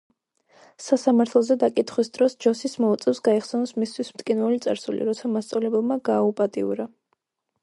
სასამართლოზე დაკითხვის დროს ჯოსის მოუწევს გაიხსენოს მისთვის მტკივნეული წარსული, როცა მასწავლებელმა გააუპატიურა.